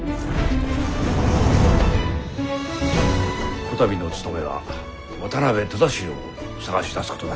こたびの務めは渡辺忠四郎を捜し出すことだ。